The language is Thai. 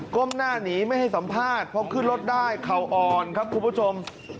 ้มหน้าหนีไม่ให้สัมภาษณ์พอขึ้นรถได้เขาอ่อนครับคุณผู้ชม